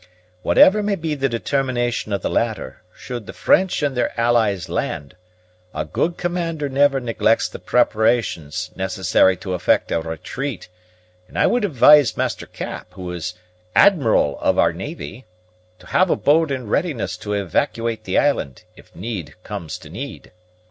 Whatever may be the determination of the latter, should the French and their allies land, a good commander never neglects the preparations necessary to effect a retreat; and I would advise Master Cap, who is the admiral of our navy, to have a boat in readiness to evacuate the island, if need comes to need.